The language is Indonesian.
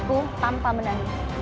aku akan menanggung kutukan itu